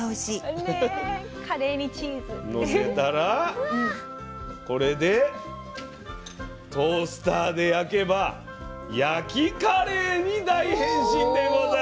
のせたらこれでトースターで焼けば焼きカレーに大変身でございます！